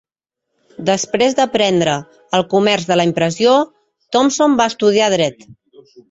Després d'aprendre el comerç de la impressió, Thompson va estudiar dret.